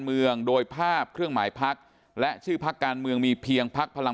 เมืองโดยภาพเครื่องหมายพักและชื่อพักการเมืองมีเพียงพักพลัง